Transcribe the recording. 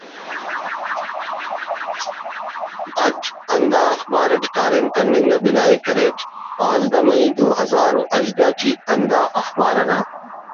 اٹ ہندا اخبار اٹ کاریم کننگ نا بناءِ کریٹ پانزدہ مئی دو ہزار ہژدہ ٹی ہندا اخبار نا